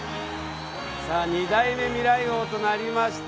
さあ２代目未来王となりました。